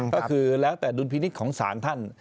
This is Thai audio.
ก็คือแล้วแต่ดุลพินิษฐ์ของศาลท่าน